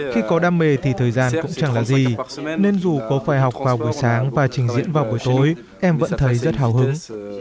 khi có đam mê thì thời gian cũng chẳng là gì nên dù cô phải học vào buổi sáng và trình diễn vào buổi tối em vẫn thấy rất hào hứng